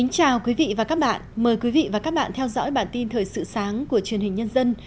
chào mừng quý vị đến với bản tin thời sự sáng của truyền hình nhân dân